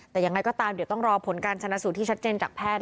แต่ยังไงก็ตามเดี๋ยวต้องรอผลการชนะสูตรที่ชัดเจนจากแพทย์